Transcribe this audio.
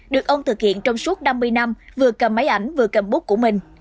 được ông thực hiện trong suốt năm mươi năm vừa cầm máy ảnh vừa cầm bút của mình